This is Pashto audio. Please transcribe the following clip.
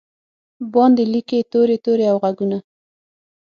باندې لیکې توري، توري او ږغونه